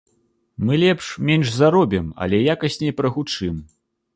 Мы лепш менш заробім, але якасней прагучым.